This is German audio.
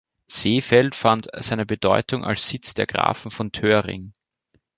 Seefeld fand seine Bedeutung als Sitz der Grafen von Toerring.